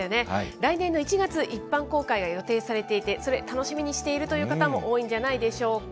来年の１月、一般公開が予定されていて、それ、楽しみにしているという方も多いんじゃないでしょうか。